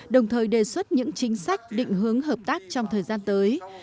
đồng thời đề xuất những chính sách định hướng hợp tác trong thời gian tới